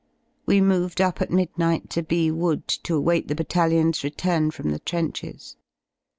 We moved up at midnight to B Wood to await the Battalion's return from the trenches.